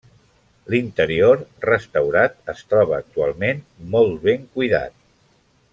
L'interior restaurat es troba actualment molt ben cuidat.